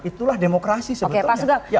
itulah demokrasi sebetulnya